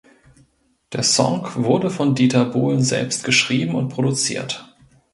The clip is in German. Der Song wurde von Dieter Bohlen selbst geschrieben und produziert.